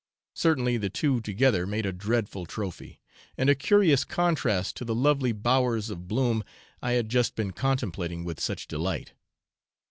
Certainly the two together made a dreadful trophy, and a curious contrast to the lovely bowers of bloom I had just been contemplating with such delight.